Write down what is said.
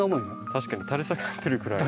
確かに垂れ下がってるぐらい。